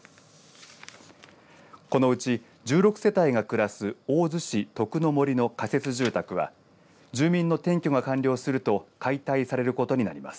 このうち１６世帯が暮らす大洲市徳森の仮設住宅は住民の転居が完了すると解体されることになります。